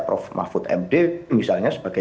prof mahfud md misalnya sebagai